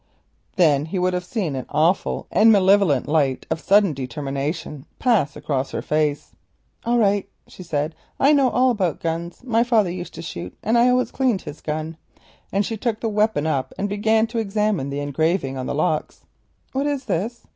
Then he would have seen an awful and malevolent light of sudden determination pass across her face. "All right," she said, "I know about guns. My father used to shoot and I often cleaned his gun," and she took the weapon up and began to examine the engraving on the locks. "What is this?"